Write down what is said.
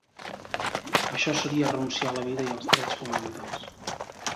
Això seria renunciar a la vida i als drets fonamentals.